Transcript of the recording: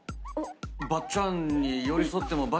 ばっちゃんに寄り添ってもばっ